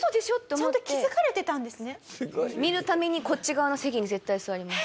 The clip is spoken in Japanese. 見るためにこっち側の席に絶対座ります。